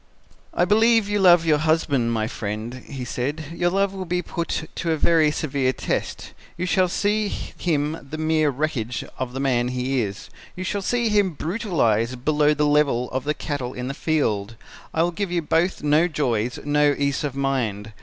"'I believe you love your husband, my friend,' he said; 'your love will be put to a very severe test. You shall see him the mere wreckage of the man he is. You shall see him brutalized below the level of the cattle in the field. I will give you both no joys, no ease of mind.